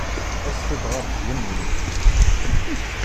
Aset-d ɣer tgemmi.